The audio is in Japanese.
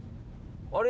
あれ。